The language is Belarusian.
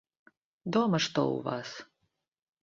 Дома што ў вас?